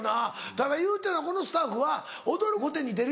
ただ言うてたここのスタッフは『踊る！